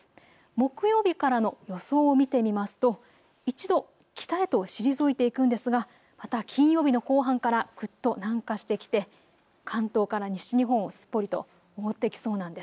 木曜日からの予想を見てみますと一度北へと退いていくんですがまた金曜日の後半からぐっと南下してきて関東から西日本をすっぽりと覆ってきそうなんです。